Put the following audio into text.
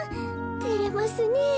てれますねえ。